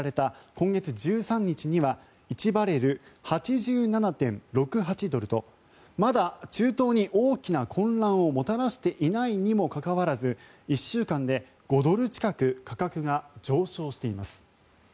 今月１３日には１バレル＝８７．６８ドルとまだ中東に大きな混乱をもたらしていないにもかかわらず１週間で５ドル近く価格が上昇しています。